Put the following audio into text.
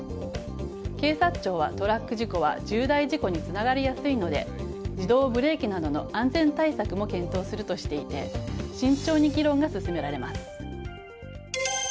警察庁は、トラック事故は重大事故につながりやすいので自動ブレーキなどの安全対策も検討するとしていて慎重に議論が進められます。